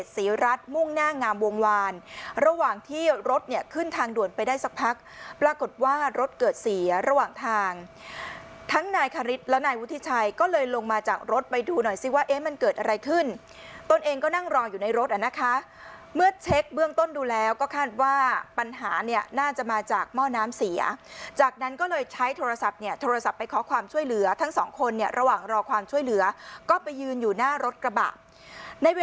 ทั้งนายคฤทธิ์และนายวุฒิทชัยก็เลยลงมาจากรถไปดูหน่อยซิว่าเอ๊ะมันเกิดอะไรขึ้นตนเองก็นั่งรออยู่ในรถอ่ะนะคะเมื่อเช็คเบื้องต้นดูแล้วก็คาดว่าปัญหาน่าจะมาจากหม้อน้ำเสียจากนั้นก็เลยใช้โทรศัพท์เนี่ยโทรศัพท์ไปขอความช่วยเหลือทั้งสองคนเนี่ยระหว่างรอความช่วยเหลือก็ไปยืนอยู่หน้ารถกระบะในเว